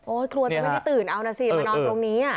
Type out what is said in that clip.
โอ้ครัวเธอไม่ได้ตื่นเอานะสิมานอนตรงนี่อะนอนตรงนี้อ่ะ